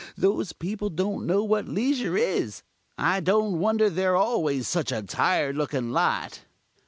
Those people don't know what leisure is. I don't wonder they're always such a tired looking lot."